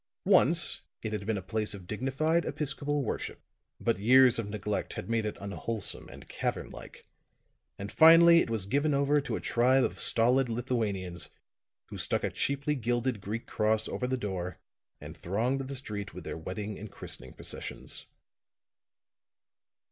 Once it had been a place of dignified Episcopal worship; but years of neglect had made it unwholesome and cavern like; and finally it was given over to a tribe of stolid Lithuanians who stuck a cheaply gilded Greek cross over the door and thronged the street with their wedding and christening processions.